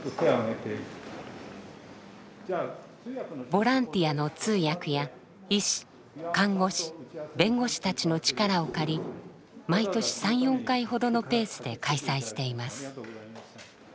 ボランティアの通訳や医師看護師弁護士たちの力を借り毎年３４回ほどのペースで開催しています。